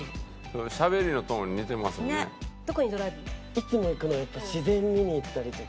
いつも行くのはやっぱ自然見に行ったりとか。